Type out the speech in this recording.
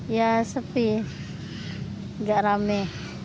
ya sepi nggak rame